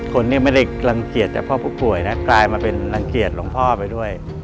คนนี้ไม่ได้รังเกียจแต่พ่อผู้ป่วยนะกลายมาเป็นรังเกียจหลวงพ่อไปด้วย